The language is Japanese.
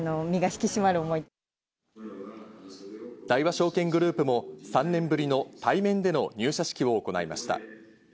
大和証券グループも３年ぶりの対面での入社式を行いました。